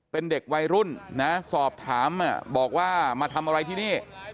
เป็นเด็กวัยรุ่นนะสอบถามบอกว่ามาทำอะไรที่นี่